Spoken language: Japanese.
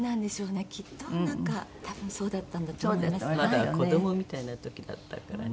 まだ子どもみたいな時だったからね。